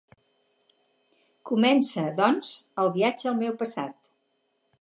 Comença, doncs, el viatge al meu passat.